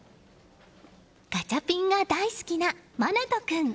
ガチャピンが大好きな、真永君。